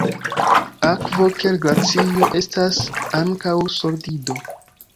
Akvo, kiel glacio, estas ankaŭ solido.